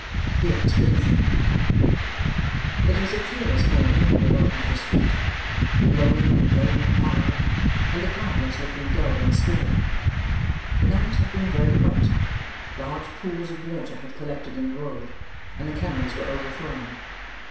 THE EXPEDITION It was a cheerless morning when they got into the street; blowing and raining hard; and the clouds looking dull and stormy. The night had been very wet: large pools of water had collected in the road: and the kennels were overflowing.